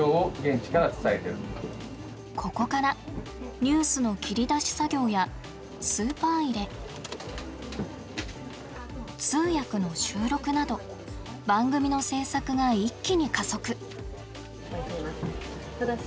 ここからニュースの切り出し作業やスーパー入れ通訳の収録など番組の制作が一気に加速。